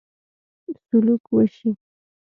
سلوک وشي.